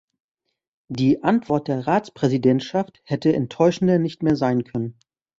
Die Antwort der Ratspräsidentschaft hätte enttäuschender nicht mehr sein können.